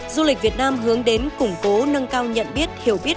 du lịch việt nam hướng đến củng cố nâng cao nhận biết hiểu biết